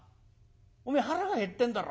おめえ腹が減ってんだろ？